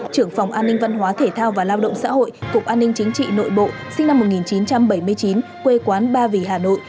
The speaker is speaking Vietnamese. trưởng phòng an ninh văn hóa thể thao và lao động xã hội cục an ninh chính trị nội bộ sinh năm một nghìn chín trăm bảy mươi chín quê quán ba vì hà nội